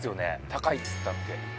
高いっつったって